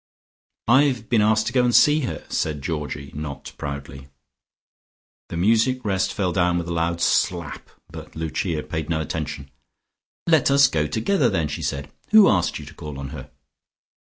"I have been asked to go and see her," said Georgie, not proudly. The music rest fell down with a loud slap, but Lucia paid no attention. "Let us go together then," she said. "Who asked you to call on her?"